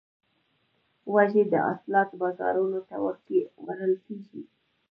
وږی کې حاصلات بازارونو ته وړل کیږي.